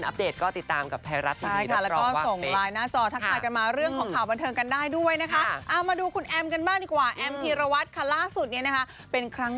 อัปเดตก็ติดตามกับไทยรัฐที่นี้นะครับ